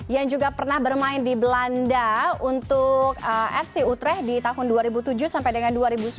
yang juga pernah bermain di belanda untuk fc utrech di tahun dua ribu tujuh sampai dengan dua ribu sembilan